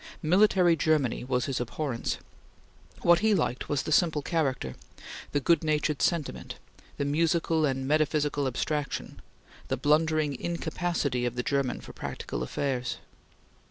Military Germany was his abhorrence. What he liked was the simple character; the good natured sentiment; the musical and metaphysical abstraction; the blundering incapacity of the German for practical affairs.